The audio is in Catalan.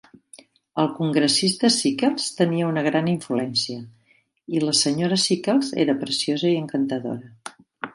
El congressista Sickles tenia una gran influència i la senyora Sickles era preciosa i encantadora.